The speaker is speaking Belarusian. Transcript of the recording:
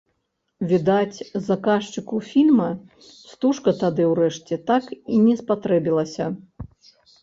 Відаць, заказчыку фільма стужка тады ўрэшце так і не спатрэбілася.